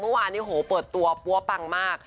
เมื่อวานนี้โหเปิดตัวปั้วปังมาก